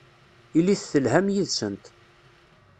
Ilit telham yid-sent.